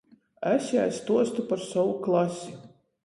Es jai stuostu par sovu klasi.